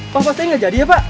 pak pasti nggak jadi ya pak